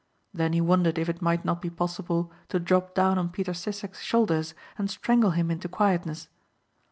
Then he wondered if it might not be possible to drop down on Peter Sissek's shoulders and strangle him into quietness.